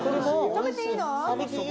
食べていいよ。